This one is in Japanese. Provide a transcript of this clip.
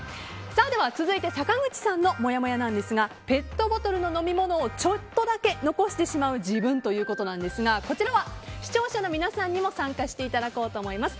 では、続いて坂口さんのもやもやなんですがペットボトルの飲み物をちょっとだけ残してしまう自分ということなんですがこちらは視聴者の皆さんにも参加していただこうと思います。